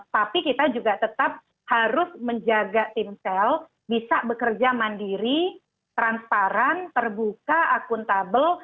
tapi kita juga tetap harus menjaga timsel bisa bekerja mandiri transparan terbuka akuntabel